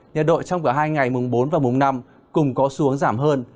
nhiệt độ trong cả hai ngày mùng bốn và mùng năm cùng có xuống giảm hơn